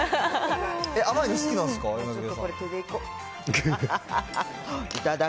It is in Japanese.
甘いの好きなんですか、柳葉さん。